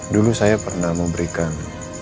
dulu saya pernah memberikan